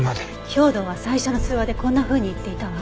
兵働は最初の通話でこんなふうに言っていたわ。